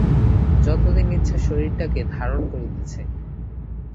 যতদিন ইচ্ছা শরীরটাকে ধারণ করিতেছ।